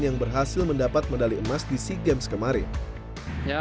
yang berhasil mendapat medali emas di sea games kemarin